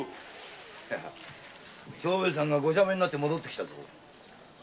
長兵衛さんがご赦免になって戻ってきたぜ。